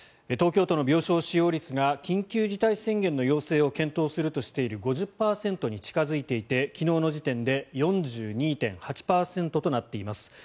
東京都の病床使用率が緊急事態宣言の要請を検討するとしている５０％に近付いていて昨日の時点で４２．８％となっています。